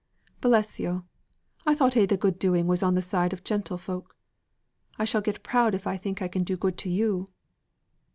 "Bless yo'! I thought a' the good doing was on the side of gentlefolk. I shall get proud if I think I can do good to yo'."